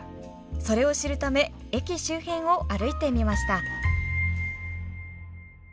それを知るため駅周辺を歩いてみました。